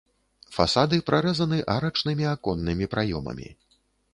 Фасады прарэзаны арачнымі аконнымі праёмамі.